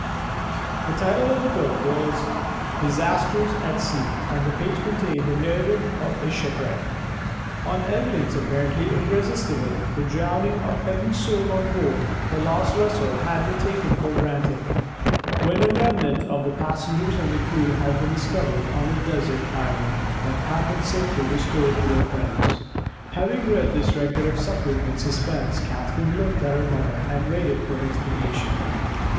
The title of the book was "Disasters at Sea"; and the page contained the narrative of a shipwreck. On evidence apparently irresistible, the drowning of every soul on board the lost vessel had been taken for granted when a remnant of the passengers and crew had been discovered on a desert island, and had been safely restored to their friends. Having read this record of suffering and suspense, Catherine looked at her mother, and waited for an explanation.